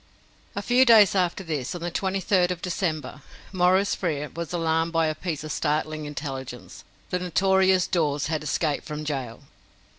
A few days after this on the 23rd of December Maurice Frere was alarmed by a piece of startling intelligence. The notorious Dawes had escaped from gaol!